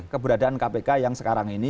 keberadaan kpk yang sekarang ini